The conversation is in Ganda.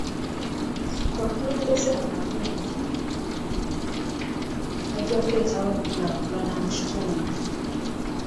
Abakulembeze abalungi bajja kuleetawo enkulaakulana mu kitundu.